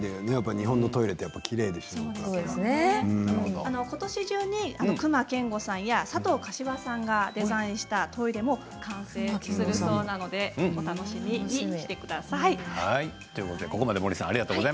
日本のトイレはことしじゅうに隈研吾さんや佐藤可士和さんがデザインしたトイレも完成するそうです、お楽しみにしてください。